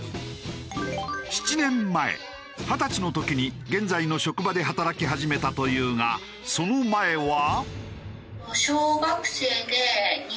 ７年前二十歳の時に現在の職場で働き始めたというがその前は。